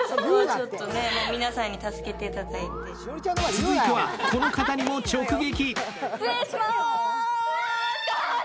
続いては、この方にも直撃。